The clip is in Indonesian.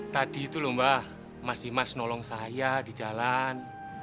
tadi itu lho mbak mas dimas nolong saya di jalan